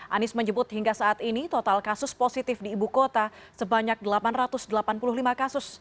anies menyebut hingga saat ini total kasus positif di ibu kota sebanyak delapan ratus delapan puluh lima kasus